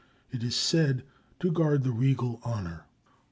It is said to guard the regal honor.